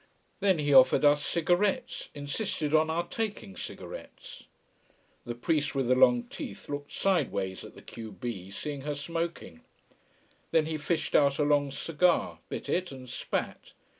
Then he offered us cigarettes insisted on our taking cigarettes. The priest with the long teeth looked sideways at the q b, seeing her smoking. Then he fished out a long cigar, bit it, and spat.